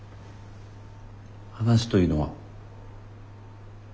話というのは？